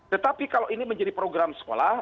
tetapi kalau ini menjadi program sekolah